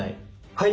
はい。